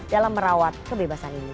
dalam merawat kebebasan ini